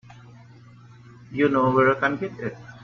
You know where I can get it?